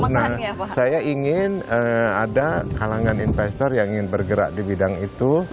nah saya ingin ada kalangan investor yang ingin bergerak di bidang itu